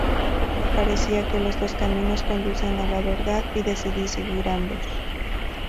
Me parecía que los dos caminos conducen a la verdad, y decidí seguir ambos.